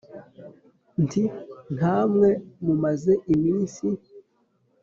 Nti: Nkamwe mumaze iminsi